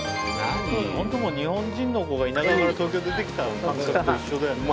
ホントもう日本人の子が田舎から東京に出てきた感覚と一緒だよね。